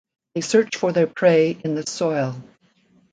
They search for their prey in the soil.